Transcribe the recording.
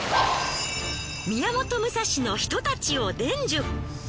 宮本武蔵の一太刀を伝授。